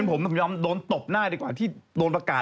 ผมยอมโดนตบหน้าดีกว่าที่โดนประกาศ